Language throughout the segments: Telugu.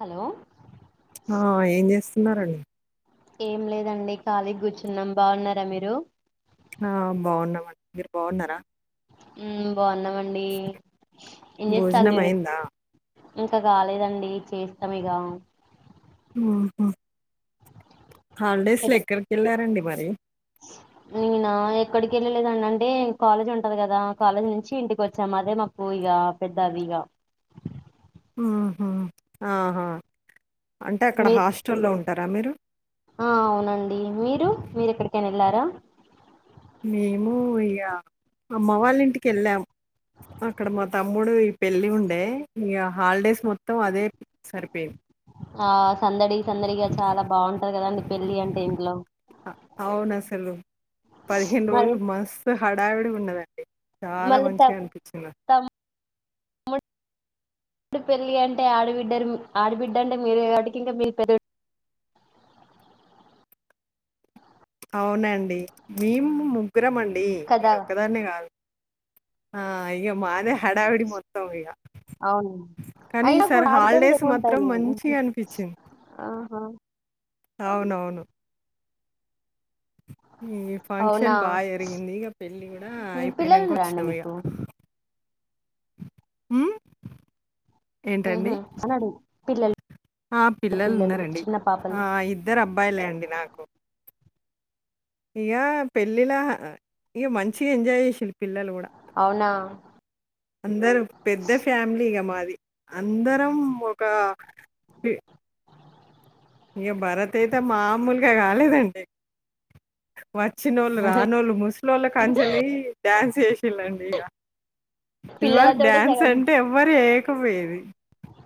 హలో ఆ ఏం చేస్తున్నారండి ఏం లేదండి ఖాళీ గ్ కూర్చున్నాం బాగున్నారా మీరు ఆ బాగున్నామండి మీరు బాగున్నార ఉమ్ బాగున్నామండి భోజనం ఏంజేత్తల్లు అయిందా [unintelligible] ఇంకా కాలేదండి చేస్తం ఇగ హు హు హాలిడేస్ లో ఎక్కడికెళ్ళారండి మరి నేనా ఎక్కడికి ఎళ్ళలేదండి అంటే కాలేజ్ ఉంటది కదా కాలేజ్ నుంచి ఇంటికి వచ్చాము అదే మా పూ ఇగా పెద్ద అదిగా ఆహ ఆహా అంటే అక్కడ మీ హాస్టల్లో ఉంటారా మీరు ఆ అవునండి మీరు మీరెక్కడికైనా ఎళ్ళారా మేము ఇగ అమ్మ వాళ్ళింటికెళ్ళాము అక్కడ మా తమ్ముడు ఈ పెళ్లి ఉండే ఇగ హాలిడేస్ మొత్తం అదే సరిపోయింది ఆ సందడి సందడిగా చాలా బాగుంటది కదండి పెళ్ళి అంటే ఇంట్లో అవును అసలు పదిహేను మళ్ రోజులు మొ హడావిడిగున్నదండి చాలా మళ్ళీ త మంచిగ అనిపిచ్చింద తమ్ముడు ఇప్పుడు పెళ్ళీ అంటే ఆడబిడ్డరు ఆడబిడ్డ అంటే మీరు కాబట్టి ఇంకా మీ పె అవునండి మేము ముగ్గురం అండి నేను కదా ఒక్కదాన్నే కాదు ఆ ఇగ మాదె హడావిడి మొత్తం ఇగ అవును కానీ అయినప్పుడు ఈసారి హాలిడేస్ మాత్రం ఆడుకొందెకుంటది మంచిగనిపిచ్చింది. ఆహా [unintelligible] అవునవును ఇగ అవునా ఫంక్షన్ బాగా జరిగింది ఇగ పెళ్ళి కూడా ఉహు, పిల్లలు అయిపోయినంక ఉన్నారా అండి వచ్చినం ఇగ మీకు ఉమ్ ఏంటండి ఉహు అనడు పిల్లలు ఆ పిల్లలు ఉన్నారండి చిన్న పాపలు ఆ ఇద్ ఇద్దర్ అబ్బాయిలే అండి నాకు ఇగా పెళ్ళిలా ఇగ మంచిగా ఎంజాయ్ జెసిండ్రు పిల్లలు గూడా అవునా అందరు పెద్ద ఫ్యామిలీగా మాది అందరం ఒకా ఇగ భరత్ అయితే మామూలుగా గాలేదండి వచ్చినోళ్ళు రానోళ్ళు ముసలోల కాడ్నించలీ డ్యాన్స్ జెసిళ్ళండి ఇగ ఇదివరకు పిల్లలతోటే డ్యాన్స్ సగం అంటే ఎవ్వరు ఏయకపోయేది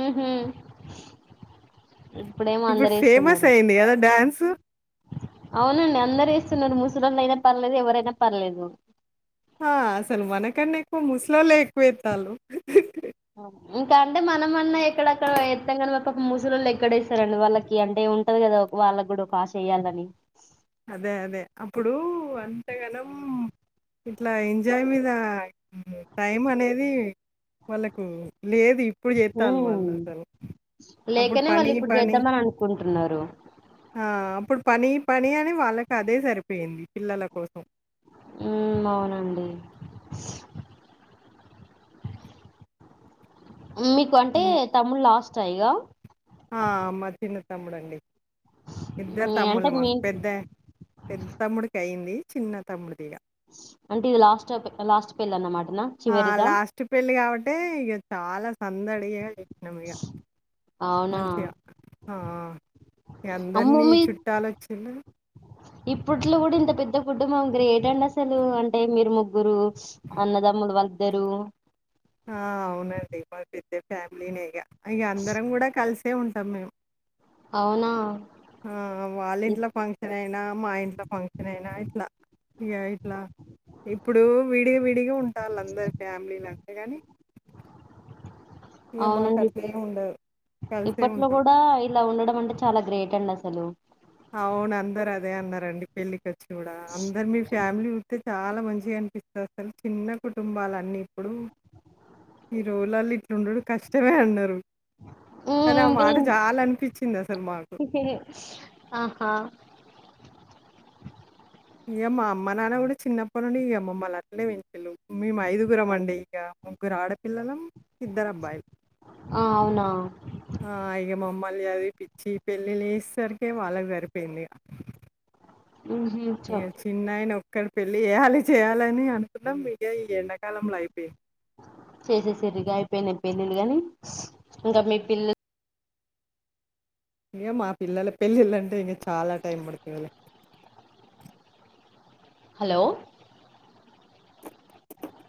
ఉ హమ్ ఇప్పుడేమో అందరేస్తున్నరు ఉందిగద డాన్స్ అవునండి అందరు వేస్తున్నరు ముసల్లోలైన పర్లేదు ఎవరైనా పర్లేదు ఆ అసలు మనకన్నా ఎక్కువ ముసలోలే ఎక్కువేత్తాంలు ఇంకా అంటే మనమన్నా ఎక్కడక్కడ ఎత్తం గని పాపం ముూసలోళ్ళు ఎక్కడేస్తారండి వాళ్ళకి అంటే ఉంటది గదా వాళ్ళక్ గుడా ఒక ఆశ ఏయ్యాలని అదే అదే అప్పుడు అంతగనం ఇట్లా ఎంజాయ్ మీద టైం అనేది వాళ్ళకు లేదు ఇప్పుడు జేత్తలు వాళ్ళు ఉమ్, అసలు అప్పుడు లేకనే పని వాళ్ళు ఇప్పుడు పని జేద్దామని అనుకుంటున్నారు ఆ అప్పుడు పని పని అని వాళ్ళకి అదే సరిపోయింది పిల్లల కోసం ఉమ్ అవునండి మీకంటే హ్మ్. తమ్ముడు లాస్ట్ ఆ ఇగ ఆ మా చిన్న తమ్ముడండి ఇద్దరు మ్మ్ అంటే తమ్ముళ్లు మీ మాకు పెద్ద పెద్ద తమ్ముడికి అయింది చిన్న తమ్ముడిదిగా అంటే ఈ లాస్ట్ అయిప్ లాస్ట్ పెళ్ళ అన్నమాట నా ఆ లాస్ట్ పెళ్ళి గావట్టే ఇగ చాల సందడిగగా చెప్పినాం ఇగ అవునా మంచిగా ఆ ఇగ అమ్మో అందరినీ మీ చుట్టాలోచిండ్రు ఇప్పట్లో గుడా ఇంత పెద్ద కుటుంభం గ్రేట్ అండి అసలు అంటే మీరు ముగ్గురు అన్నదమ్ములు వళ్ళీద్దరు ఆ అవునండి మాది పెద్ద ఫ్యామిలీనే ఇగ ఇగ అందరం గూడా కలిసే ఉంటాం మేం ఔనా ఆ వాళ్ళింట్లో ఫంక్షన్ అయినా మా ఇంట్లో ఫంక్షన్ అయినా ఇట్లా ఇగ ఇట్లా ఇప్పుడు విడి విడిగా ఉంటాళ్ళు అందరూ ఫ్యామిలీలు అంతే గనీ అవునండి మాకట్లేం ఉండదు. కలిసే ఇప్పట్లో ఉంటాం. గూడా ఇలా ఉండడం అంటే చాలా గ్రేట్ అండి అసలు అవును అందరూ అదే అన్నారండి పెళ్ళికొచ్చి గూడా అందరూ మీ ఫ్యామిలీ ఉంటే చాలా మంచిగా అనిపిత్తది అసలు చిన్న కుటుంబాలు అన్నీ ఇప్పుడు ఈ రోజులల్ల ఇట్లుండుడు కష్టమే అన్నారు కానీ ఆ మాట మ్మ్ జాలి అనిపిచ్చింది అసలు మాకు హె హే ఆహా ఇగ మా అమ్మ నాన్న గూడా చిన్నప్పటి నుండి ఇగ మిమ్మల్ని అట్లే పెంచిల్లు మేం ఐదుగురం అండి ఇగ ముగ్గురు ఆడపిల్లలం ఇద్దరు అబ్బాయి ఆ అవునా ఆ ఇగ మిమ్మల్ని చదివిపిచ్చి పెళ్ళిళ్ళు ఏసేసరికే వాళ్ళకి సరిపోయింది ఇగ ఊహూ ఇగ చిన్నాయన ఒక్కడి పెళ్లి చేయాలి చేయాలి అని అనుకున్నాం ఇగ ఈ ఎండాకాలంలో అయిపోయి చేసేసారు ఇగా అయిపోయినాయి పెళ్ళిలు గానీ ఇంకా మీ పిల్ల ఇగ మా పిల్లల పెళ్ళిళ్ళంటే ఇగ చాలా టైం పడుతదిలే హలో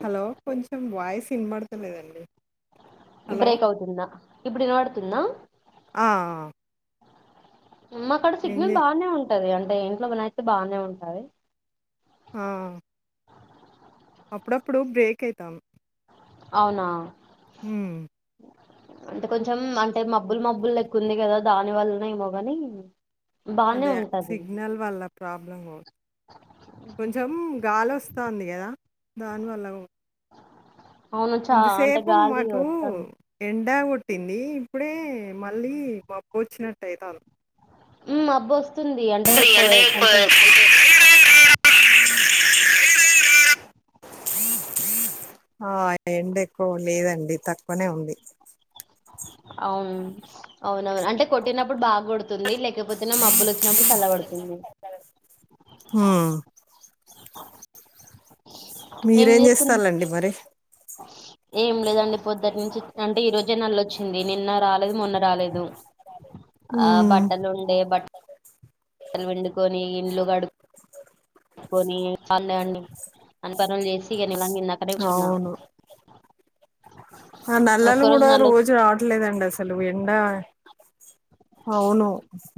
హలో కొంచెం వాయిస్ ఇన్బడతలేదండి బ్రేక్ అవుతుందా ఇప్పుడు ఇనపడుతుందా ఆ ఆ మాకాడ ఏం సిగ్నల్ జే బానే ఉంటది అంటే ఇంట్లో గూన అయితే బానే ఉంటది ఆ అప్పుడప్పుడు బ్రేక్ అయితాం అవునా ఊమ్ అంటే కొంచం అంటే మబ్బులు మబ్బులు లెక్క ఉంది కదా దాని వల్లనేమో గానీ బానే ఉంటది వాళ్ళ ప్రాబ్లము కొంచం గాలి వొస్తాంది కదా దానివల్ల గూ అవును చా అంటే ఇంతసేపు గాలి మాకు వస్తాంది ఎండా కొట్టింది ఇప్పుడే మళ్ళీ మబ్బొచ్చినట్టు అయితాన్ ఉమ్ మబ్బొస్తుంది అంటే కో అంటే ఆ ఎండ ఎక్కువ లేదండి తక్కువనే ఉంది అవున్ అవునవును అంటే కొట్టినప్పుడు బాగ కొడుతుంది లై లేపోతేనే మబ్బులొచ్చినప్పుడు సల్లబడుతుంది ఆ ఏం మీరేం చేస్తుంది చేస్తాల్లండి మరి ఏం లేదండి పొద్దటి నుంచి అంటే ఈ రోజే నల్లొచ్చింది నిన్న రాలేదు మొన్న రాలేదు ఆ హ్మ్. బట్టలుండే బట్ ట్టలు పిండుకొని ఇండ్లు కడు కొని పన్లన్ని అన్నీ పనులు చేసి ఇగ నిలా ఇందాక నిల్చున్నా అవును. ఆ నల్లలు ఒక్క రోజు కూడా నల్ల రోజూ రావట్లేదండి అస్ అసలు ఎండ అవును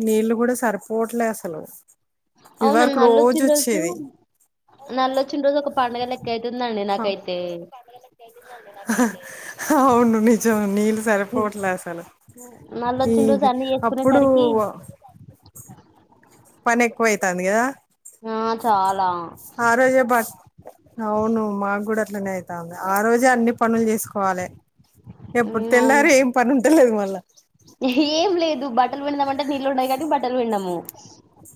నీళ్ళు కూడా సరిపోవట్లే అసలు అవునన్న ఇదివరకు నల్లొచ్చిన రోజూ రోజొచ్చేది. నల్లొచ్చిన రోజు ఒక పండగ లెక్క అయితుందండి నాకైతే హా హా అవును నిజం. నీళ్ళు సరిపోవట్లే అసలు. నల్లొచ్చిన రోజు ఈది అన్ని అప్పుడు చేసుకునేసరికి వా పని ఎక్కువైతాంది గదా? ఆ చాలా ఆ రోజే బస్ అవును మాకు కూడా అట్లనే అయితాంది. ఆ రోజే అన్ని పనులు చేసుకోవాలె. ఎప్పుడు ఉమ్, అవును తెల్లారె ఏం పనుంటలేదు మళ్ళా? ఏం లేదు బట్టలు పిండుదాం అంటే నీళ్లు ఉండవు కాబట్టి బట్టలు పిండము.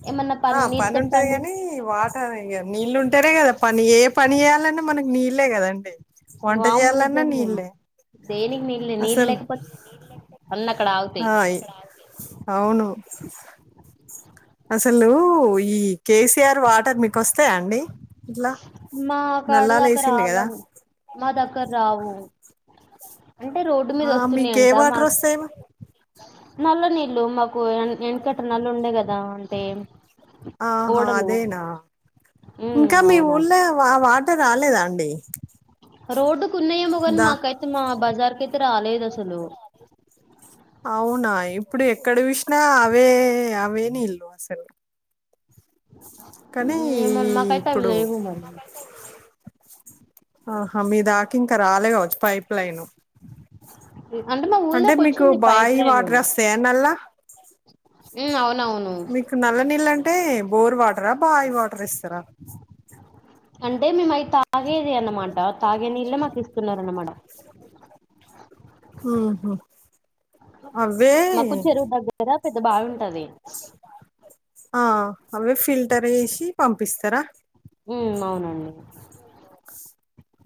ఏమన్నా ఆ పని నీళ్ళతోటి పనుంటది పని చేసి కాని వా హా ఇగ నీల్లుటనే కదా పని ఏ పని చేయాలన్నా మనకి నీళ్లే కదా అండి. వామ్మొ నిజం గా దేనికి నీళ్లు నీళ్లు అసలు లేకపోతే అన్నీ అక్కడ ఆగుతాయి. ఆ అవును అసలు ఈ కేసీఆర్ వాటర్ మీకు వస్తాయా అండి? ఇట్లా మా నల్లాలు కాడదాకా వేసిళ్ళు కదా రావండి. మా దగ్గర రావు అంటే రోడ్డు మీద ఆ మీకు ఏ వస్తున్నాయంట వాటర్ మాకు వస్తాయి నల్ల నీళ్ళు మాకు ఎనుకట నల్లుండే కదా అంటే ఆహా ఓడలు అదేనా ఉమ్ ఇంకా మీ అవునా ఊళ్లో వాటర్ రాలేదా అండి? రోడ్డుకున్నాయేమో కానీ దా మాకైతే మా బజార్ కైతే రాలేదసలు. అవునా ఇప్పుడు ఎక్కడ చూసినా అవే నీళ్లు అసలు. కానీ ఉమ్, ఏమో మాకైతే అవి ఇప్పుడు లేవు మరి ఆహా మీ దాకింక రాలే కావచ్చు పైప్ లైను. మా అంటే ఊళ్ళోకి మీకు వచ్చింది పైప్ బాయి లైన్ వాటర్ అస్తయా నల్ల మ్ అవునవును. మీకు నల్ల నీళ్ళంటే బోర్ వాటరా బాయి వాటర్ ఇస్తారా? అంటే మేము అవి తాగేది అన్నమాట. తాగే నీళ్లే మాకు ఇస్తున్నారు అన్నమాట. ఉహు అవే మాకు చెరువు దగ్గర కదా పెద్ద బావి ఉంటాది. ఆ అవే ఫిల్టర్ వేసి పంపిస్తరా? మ్ అవును అండీ.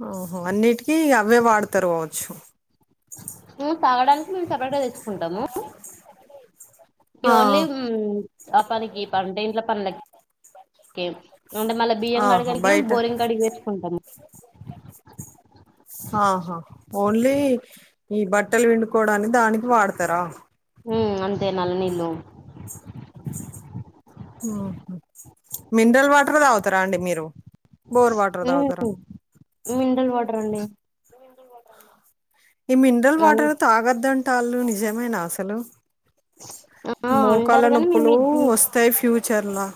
ఓహో, అన్నిటికి అవే వాడతారు కావొచ్చు. తాగడానికి మేము సపరేట్ గా తెచ్చుకుంటాము. ఇవి ఆ ఓన్లీ ఆ పనికి ఈ పనికి ఇంట్ల పనులకి. ఏం అంటే మళ్ళా బియ్యం ఆహా కడగడానికి బయట బోరింగ్ కాడిగి పోయి తెచ్చుకుంటాం మేము. ఆహా! ఓన్లీ ఈ బట్టలు పిండుకోవడానికి దానికి వాడతారా? మ్ అంతే నల్ల నీళ్లు. మ్ మినరల్ వాటరే తాగుతారా అండీ మీరు? బోర్ వాటర్ ఉమ్ తాగుతరా? మినరల్ వాటర్ అండి ఈ మినరల్ అన్- వాటర్ తాగొద్దు అంటారు నిజమేనా అసలు. ఆ మోకాళ్ళ అంటారు కానీ మేము నొప్పులు ఇది వొస్తాయి ఫ్యూచర్ లో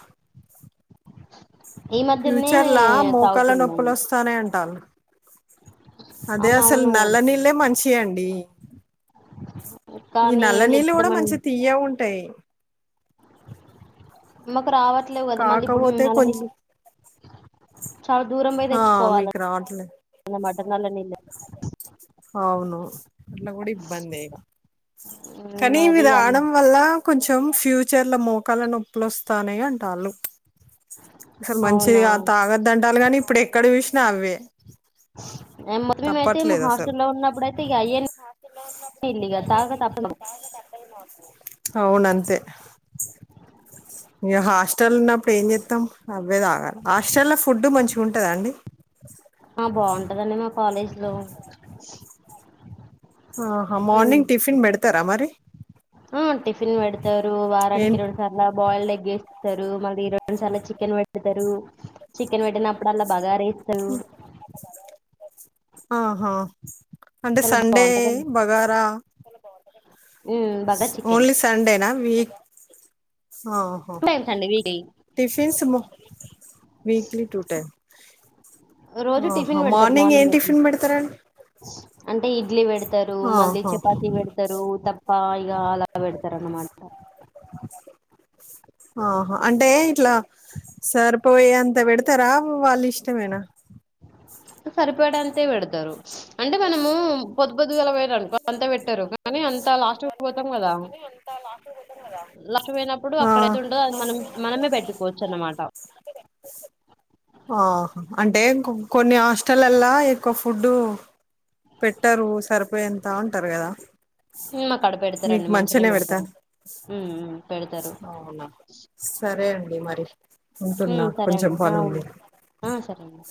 ఈ మధ్యలోనే ఫ్యూచర్ లా మోకాల నొప్పులు తాగుతున్నాము వొస్తాయ్. తనే అంటారు అదే అసలు అవునవును నల్ల నీళ్ళే మంచియి మంచియి అండీ ఈ కానీ నల్ల ఏం నీళ్ళు గుడా చేద్దామండి మంచి తియ్యగా ఉంటాయి మాకు రావట్లేవు కదా మళ్ళీ ఇప్పుడు కాకపోతే నల్ల కొంచెం నీళ్లు చాలా దూరం పొయి ఆ మీకు రావట్లే నల్ల నీళ్ళు అవును అట్లా కూడా ఇబ్బందే గ కానీ ఉమ్ ఇవి అది అమ్మ రాడమ్ వల్ల కొంచెం ఫ్యూచర్ లో మోకాళ్ల నొప్పులు వొస్తాన్నయ్ అంటాళ్ళు అసలు మంచిది అవునా గాధ్ తాగద్దు అంటాళ్ళు గాని ఇప్పుడు ఎక్కడ చూసినా అవే [unintelligible] మేమ్ అయితే మా తప్పట్లేదు హాస్టల్ లో ఉన్నప్పుడు అయితే ఇగ అయే నీ చిన్నగున్నప్పుడు అయితే ఇగ అయె నీళ్లు తాగక తప్పేది [unintelligible] అవును అంతే ఇగ హాస్టల్ ఉన్నప్పుడు ఏం చెత్తం అవే తాగాల హాస్టల్ లో ఫుడ్ మంచిగా ఉంటదండి ఆ బాగుంటదండీ మా కాలేజ్ లో ఆహా నేను మార్నింగ్ టిఫిన్ బెడతారా మరి ఆ టిఫిన్ పెడతారు వారానికి ఏం రెండు సార్ల బాయిల్డ్ ఎగ్ ఏస్తరు మళ్ళీ రెండు సార్ల చికెన్ పెడతరు చికెన్ వెట్టినప్పుడల్ల బగార రైస్ ఆహా అంటే చాలా సండే బాగుంటదండి బగారా ఉమ్ బగా చికెన్ ఓన్లీ సండే సన్డేనా వీక్ ఆ టూ టైమ్స్ అండి weekly tiffins weekly two time రోజు ఆహా టిఫిన్ పెడతారు ఏం మార్నింగ్ అయితే టిఫిన్ పెడతారండి అంటే ఇడ్లీ పెడతరు మళ్ళీ ఆహా చపాతి పెడతరు ఉతప్ప ఇగ అలా బెడతరు అనమాట ఆహా అంటే ఇట్లా సరిపోయే అంత పెడతరా వాళ్ళ ఇష్టమేనా సరిపోయేటంతే పెడ్తరు అంటే మనము పొద్దు పొద్దుగాల పోయిరు అనుకో అంత పెట్టరు కానీ అంత లాస్ట్ పోతాం కదా ఉంతలా [unintelligible] లక్ష పోయినప్పుడు అక్కడైతే ఉంటదో అది మనం మనమే పెట్టుకోవచ్చు అనమాట ఆహా అంటే కొన్ని హాస్టలల్ల ఎక్కువ ఫుడ్డు పెట్టరు సరిపోయే అంత అంటరు గదా మాకాడ మీకు పెడతారండి మంచినే మంచిగానే పెడతార పెడతారు ఉమ్ ఉమ్ పెడతారు అవునా సరే అండి మరి ఉంటున్నా ఉమ్ సరే కొంచెం అండి ఆ ఉ పనుంది ఆ సరే అండి